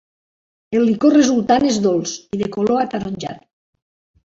El licor resultant és dolç i de color ataronjat.